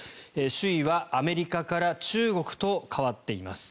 首位はアメリカから中国と変わっています。